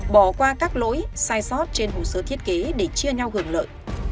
bỏ qua các lỗi sai sót trên hồ sơ thiết kế để chia nhau hưởng lợi